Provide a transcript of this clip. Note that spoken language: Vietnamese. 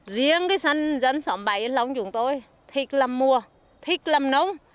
riêng cái sân dân xóm bảy lòng chúng tôi thích làm mùa thích làm nông